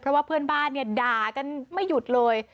เพราะว่าเพื่อนบ้านเนี่ยด่ากันไม่หยุดเลย